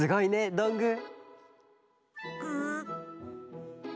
どんぐー！